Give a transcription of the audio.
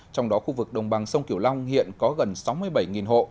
trong đó khu vực đồng bằng sông kiểu long hiện có gần sáu mươi bảy hộ